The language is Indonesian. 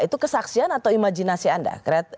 itu kesaksian atau imajinasi anda